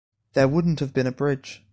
There wouldn't have been a bridge.